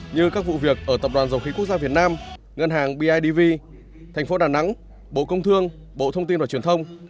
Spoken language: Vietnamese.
như các vụ việc ở tập đoàn dầu khí quốc gia việt nam ngân hàng bidv thành phố đà nẵng bộ công thương bộ thông tin và truyền thông